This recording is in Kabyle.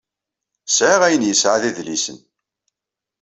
Sɛiɣ ayen yesɛa d idlisen.